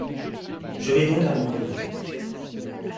Je vais donc à mon rendez-vous.